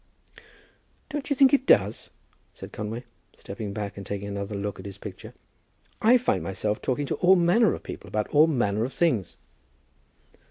"Don't you think it does?" said Conway, stepping back and taking another look at his picture. "I find myself talking to all manner of people about all manner of things."